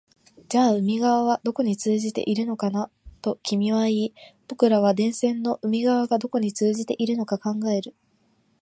じゃあ海側はどこに通じているのかな、と君は言い、僕らは電線の海側がどこに通じているのか考える